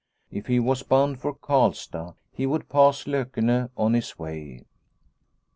If he was bound for Karlstad he would pass Lokene on his way.